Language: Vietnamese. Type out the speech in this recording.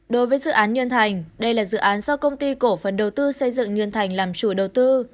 đối với dự án nhân thành đây là dự án do công ty cổ phần đầu tư xây dựng nhân thành làm chủ đầu tư